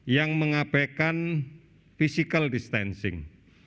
yang mengabaikan physical distancing